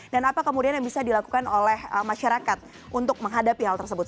dan apa kemudian yang bisa dilakukan oleh masyarakat untuk menghadapi hal tersebut